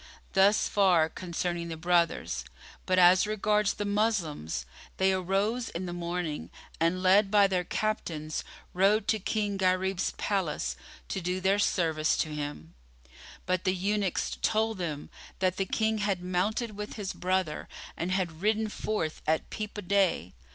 Thus far concerning the brothers; but as regards the Moslems, they arose in the morning and led by their captains rode to King Gharib's palace, to do their service to him; but the eunuchs told them that the King had mounted with his brother and had ridden forth at peep o' day.